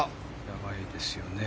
やばいですよね。